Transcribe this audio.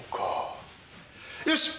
よし！